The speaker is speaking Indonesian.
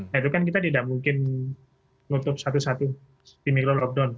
nah itu kan kita tidak mungkin nutup satu satu di milo lockdown